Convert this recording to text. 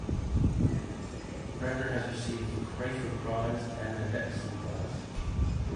Broecker has received the Crafoord Prize and the Vetlesen Prize.